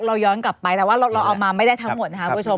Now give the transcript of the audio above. เราย้อนกลับไปแต่ว่าเราเอามาไม่ได้ทั้งหมดนะครับคุณผู้ชม